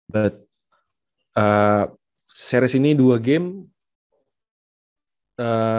but series ini dua game